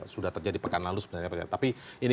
sudah terjadi pekan lalu sebenarnya tapi ini